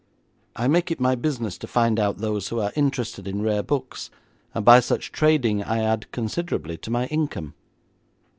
I make it my business to find out those who are interested in rare books, and by such trading I add considerably to my income.'